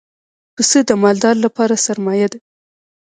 پسه د مالدار لپاره سرمایه ده.